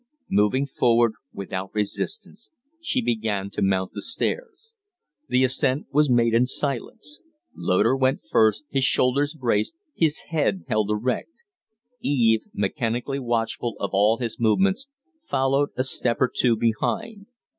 Moving forward without resistance, she began to mount the stairs. The ascent was made in silence. Loder went first, his shoulders braced, his head held erect; Eve, mechanically watchful of all his movements, followed a step or two behind.